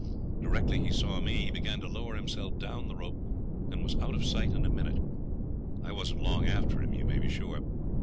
Directly he saw me, he began to lower himself down the rope, and was out of sight in a minute. I wasn't long after him, you may be sure.